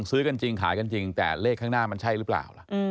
ซื้อกันจริงขายกันจริงแต่เลขข้างหน้ามันใช่หรือเปล่าล่ะ